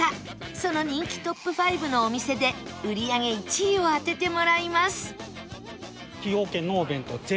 その人気トップ５のお店で売り上げ１位を当ててもらいます